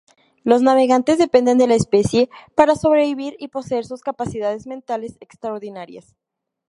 Los navegantes dependen de la especia para sobrevivir y poseer sus capacidades mentales extraordinarias.